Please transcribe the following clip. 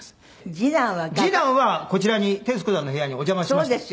次男はこちらに徹子さんの部屋にお邪魔しました。